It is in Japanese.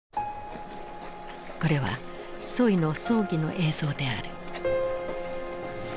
これはツォイの葬儀の映像である。